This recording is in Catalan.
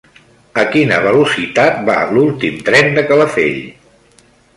A quina velocitat va l'últim tren de Calafell?